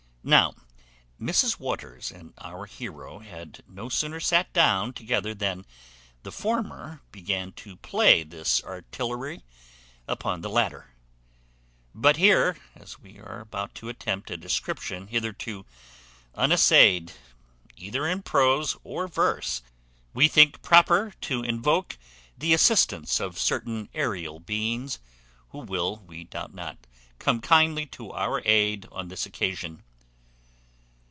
Now Mrs Waters and our heroe had no sooner sat down together than the former began to play this artillery upon the latter. But here, as we are about to attempt a description hitherto unassayed either in prose or verse, we think proper to invoke the assistance of certain aërial beings, who will, we doubt not, come kindly to our aid on this occasion.